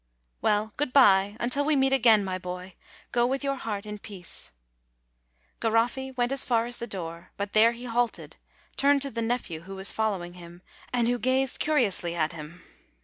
"Well, good bye, until we meet again, my boy; go with your heart in peace." Garoffi went as far as the door; but there he halted, turned to the nephew, who was following him, and who gazed curiously at him.